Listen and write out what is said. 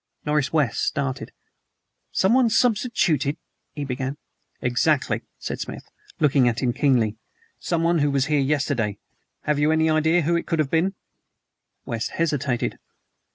Norris West started. "Someone substituted " he began. "Exactly," said Smith, looking at him keenly; "someone who was here yesterday. Have you any idea whom it could have been?" West hesitated.